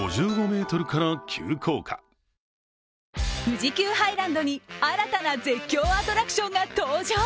富士急ハイランドに新たな絶叫アトラクションが登場。